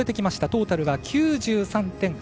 トータルは９３．６６４。